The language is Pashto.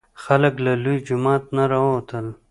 خلک له لوی جومات نه راوتل.